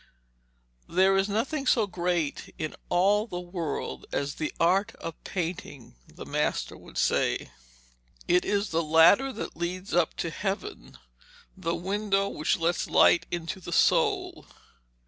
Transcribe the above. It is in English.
'There is nothing so great in all the world as the art of painting,' the master would say. 'It is the ladder that leads up to heaven, the window which lets light into the soul.